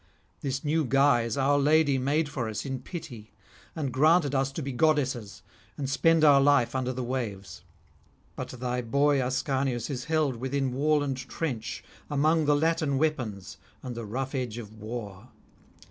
This new guise our Lady made for us in pity, and granted us to be goddesses and spend our life under the waves. But thy boy Ascanius is held within wall and trench among the Latin weapons and the rough edge of war.